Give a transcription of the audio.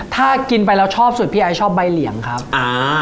ถ้ากินไปแล้วชอบสุดพี่ไอ้ชอบใบเหลี่ยงครับอ่า